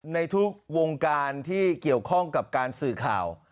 ในทุกวงการที่เกี่ยวข้องกับการสื่อข่าว